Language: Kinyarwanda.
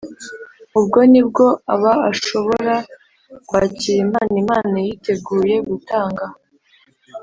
ubwo ni bwo aba ashobora kwakira impano imana yiteguye gutanga